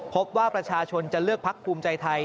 พบว่าประชาชนจะเลือกพักภูมิใจไทย